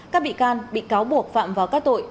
các bị can bị cáo buộc phạm vào các tội